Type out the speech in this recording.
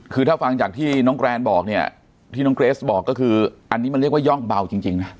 คือถ้าฟังจากที่น้องแกรนบอกเนี่ยที่น้องเกรสบอกก็คืออันนี้มันเรียกว่าย่องเบาจริงนะ